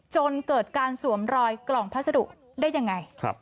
จนเกิดการสวมรอยกล่องพัสดุได้ยังไง